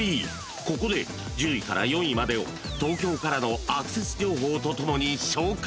［ここで１０位から４位までを東京からのアクセス情報とともに紹介］